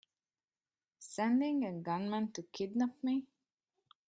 Sending a gunman to kidnap me!